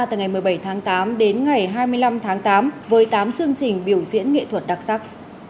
từ ngày một mươi bảy tháng tám đến ngày hai mươi năm tháng tám với tám chương trình biểu diễn nghệ thuật đặc sắc